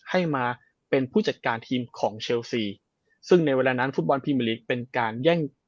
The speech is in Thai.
ให้มาเป็นผู้จัดการทีมของเชลซีซึ่งในเวลานั้นฟุตบอลพรีเมอร์ลีกเป็นการแย่ง